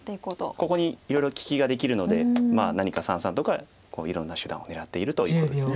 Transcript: ここにいろいろ利きができるので何か三々とかいろんな手段を狙っているということです。